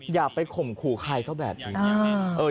อย่าไปข่มขู่ใครเขาแบบนี้